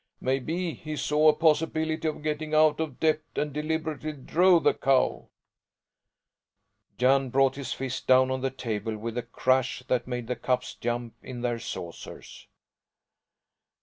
Maybe he saw a possibility of getting out of debt and deliberately drove the cow " Jan brought his fist down on the table with a crash that made the cups jump in their saucers.